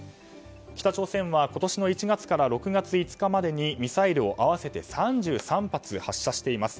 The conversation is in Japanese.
北朝鮮は今年１月から６月５日までにミサイルを合わせて３３発発射しています。